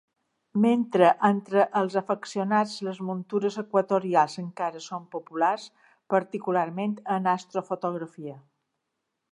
Mentre entre els afeccionats les muntures equatorials encara són populars, particularment en astrofotografia.